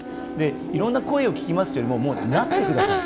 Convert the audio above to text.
いろんな声を聞きますというよりもなってください。